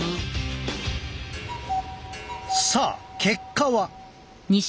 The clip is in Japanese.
さあ結果は？